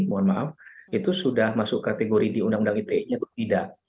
mohon maaf itu sudah masuk kategori di undang undang ite nya atau tidak